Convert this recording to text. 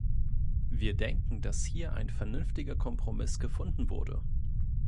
Wir denken, dass hier ein vernünftiger Kompromiss gefunden wurde.